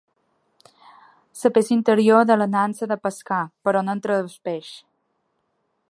La peça interior de la nansa de pescar, per on entra el peix.